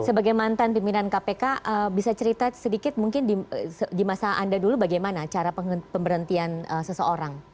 sebagai mantan pimpinan kpk bisa cerita sedikit mungkin di masa anda dulu bagaimana cara pemberhentian seseorang